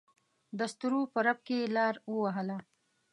دسترو په رپ کې یې لار ووهله.